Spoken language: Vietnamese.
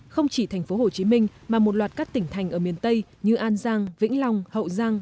không chỉ thành phố hồ chí minh mà một loạt các tỉnh thành ở miền tây như an giang vĩnh long hậu giang